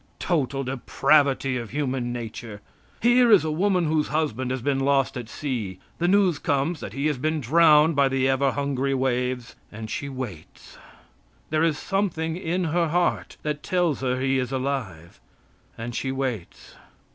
Total depravity of human nature! Here is a woman whose husband has been lost at sea; the news comes that he has been drowned by the ever hungry waves, and she waits. There is something in her heart that tells her he is alive. And she waits.